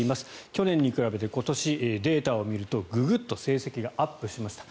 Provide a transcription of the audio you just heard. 去年に比べて今年、データを見ると成績がグッとアップしました。